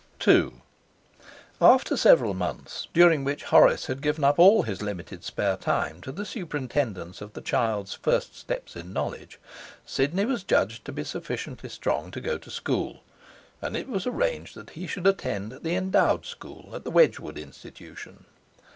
II After several months, during which Horace had given up all his limited spare time to the superintendence of the child's first steps in knowledge, Sidney was judged to be sufficiently strong to go to school, and it was arranged that he should attend the Endowed School at the Wedgwood Institution.